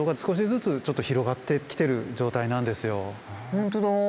本当だ。